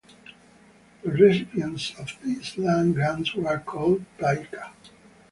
The recipients of these land grants were called Paika.